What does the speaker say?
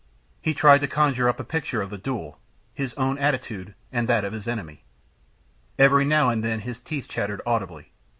He tried to conjure up a picture of the duel, his own attitude, and that of his enemy. Every now and then his teeth chattered audibly.